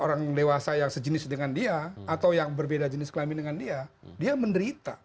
orang dewasa yang sejenis dengan dia atau yang berbeda jenis kelamin dengan dia dia menderita